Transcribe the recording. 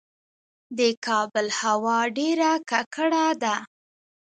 د کابل هوا ډیره ککړه ده